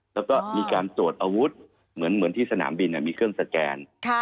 แล้วก็มีการตรวจอาวุธเหมือนที่สนามบินมีเครื่องสแกน